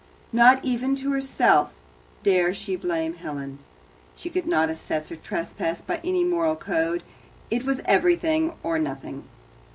Not even to herself dare she blame Helen. She could not assess her trespass by any moral code; it was everything or nothing.